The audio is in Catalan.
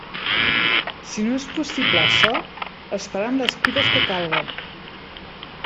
Si no és possible açò, es faran les crides que calguen.